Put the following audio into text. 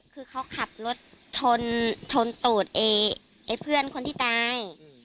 คือเขาขับรถชนตูดไอ้เพื่อนคนที่ตาย